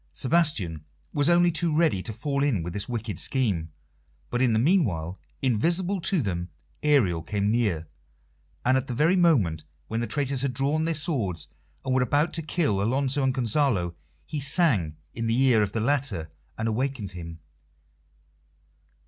Sebastian was only too ready to fall in with this wicked scheme, but in the meanwhile, invisible to them, Ariel came near, and at the very moment when the traitors had drawn their swords and were about to kill Alonso and Gonzalo he sang in the ear of the latter and awakened him.